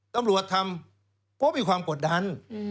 ตำรวจทำเพราะมีความกดดัน